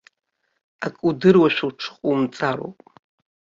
Акы удыруашәа уҽыҟоумҵароуп.